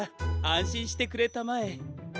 あんしんしてくれたまえ。